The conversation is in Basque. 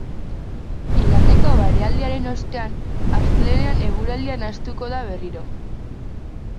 Igandeko barealdiaren ostean, astelehenean eguraldia nahastuko da berriro.